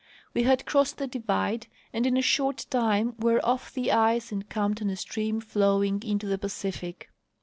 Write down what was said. We had crossed the divide, and in a short time Avere off the ice and camped on a stream floAving into the Pacific.